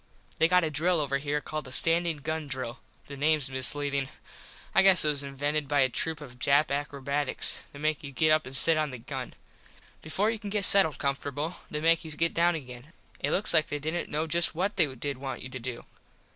They got a drill over here called the standin gun drill. The names misleadin. I guess it was invented by a troop of Jap akrobats. They make you get up and sit on the gun. Before you can get settled comfortable they make you get down again. It looks like they didnt know just what they did want you to do.